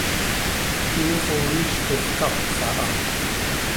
Hoox oo iiztox caapxa ha.